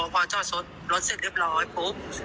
พอจอดรถเสร็จเรียบร้อยปุ๊บ